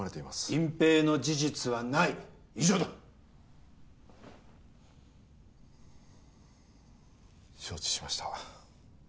隠蔽の事実はない以上だ承知しました